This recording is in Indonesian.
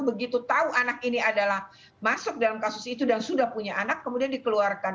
begitu tahu anak ini adalah masuk dalam kasus itu dan sudah punya anak kemudian dikeluarkan